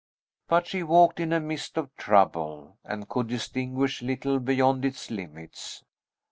But she walked in a mist of trouble, and could distinguish little beyond its limits.